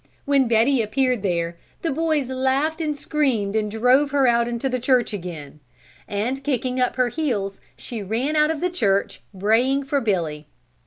When Betty appeared there, the boys laughed and screamed and drove her out into the church again, and kicking up her heels she ran out of the church, braying for Billy.